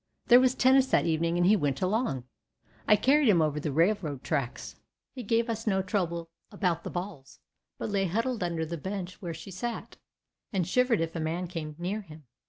There was tennis that evening and he went along—I carried him over the railroad tracks; he gave us no trouble about the balls, but lay huddled under the bench where she sat, and shivered if a man came near him.